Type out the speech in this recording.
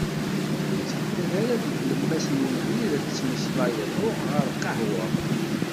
Ur ttebdad ara deg tlemmas n ubrid ad tettmmeslayeḍ, ruḥ ɣer lqahwa.